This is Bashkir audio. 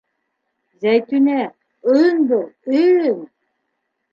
Зәйтүнә, өн был, өн!..